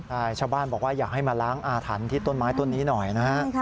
ใช่ชาวบ้านบอกว่าอยากให้มาล้างอาถรรพ์ที่ต้นไม้ต้นนี้หน่อยนะฮะ